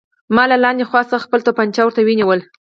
ما له لاندې خوا څخه خپله توپانچه ورته ونیوله